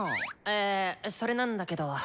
えそれなんだけど。